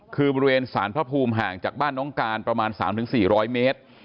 คือบริเวณสารพระภูมิห่างจากบ้านน้องการประมาณ๓๔๐๐เมตร